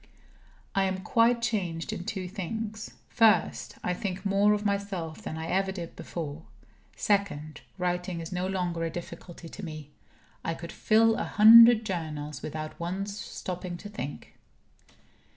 I am quite changed in two things. First: I think more of myself than I ever did before. Second: writing is no longer a difficulty to me. I could fill a hundred journals, without once stopping to think.